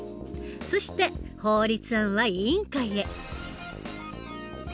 そして法律案は委員会へ。